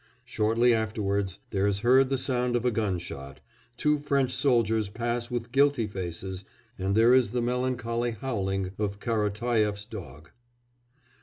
Shortly afterwards there is heard the sound of a gunshot, two French soldiers pass with guilty faces, and there is the melancholy howling of Karatayef's dog.